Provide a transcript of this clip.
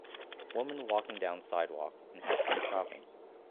Women walking down sidewalk and have been shopping